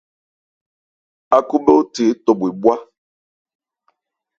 Ákhúbhɛ́óthe étɔ bhwe bhwá.